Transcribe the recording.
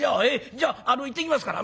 じゃあいってきますから」。